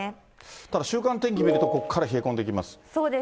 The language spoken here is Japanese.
ただ週間天気見ると、ここから冷え込んできます。